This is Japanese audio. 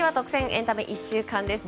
エンタメ１週間です。